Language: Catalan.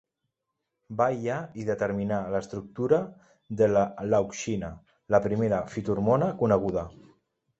Va aïllar i determinar l'estructura de l'auxina, la primera fitohormona coneguda.